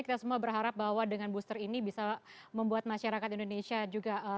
kita semua berharap bahwa dengan booster ini bisa membuat masyarakat indonesia juga